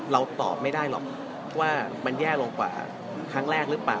เราตอบไม่ได้หรอกว่ามันแย่ลงกว่าครั้งแรกหรือเปล่า